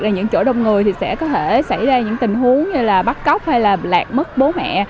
những chỗ đông người thì sẽ có thể xảy ra những tình huống như là bắt cóc hay là lạc mất bố mẹ